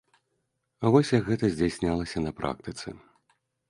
Вось як гэта здзяйснялася на практыцы.